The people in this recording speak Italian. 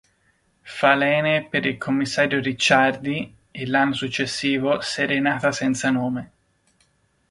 Falene per il commissario Ricciardi" e l'anno successivo "Serenata senza nome.